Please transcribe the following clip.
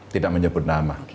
tidak menyebut nama